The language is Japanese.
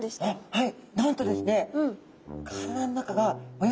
はい。